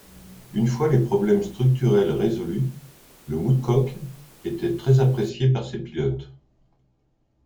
Une fois les problèmes structurels résolus, le Woodcock était très appréciée par ses pilotes.